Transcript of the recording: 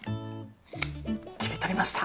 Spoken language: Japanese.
切り取りました。